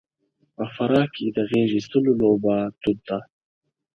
په فراه کې د غېږاېستلو لوبه دود ده.